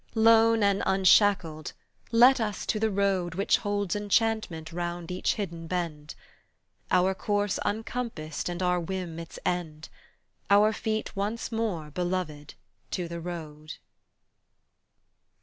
Lone and unshackled, let us to the road Which holds enchantment round each hidden bend, Our course uncompassed and our whim its end, Our feet once more, beloved, to the road!